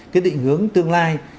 cái định hướng tương lai